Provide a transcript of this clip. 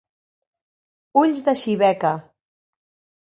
Ulls de xibeca.